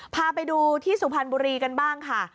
พาไปดูที่สุพรรณบุรีกันบ้างค่ะ